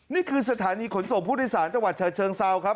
นี่คือสถานีขนส่งผู้โดยสารจังหวัดฉะเชิงเซาครับ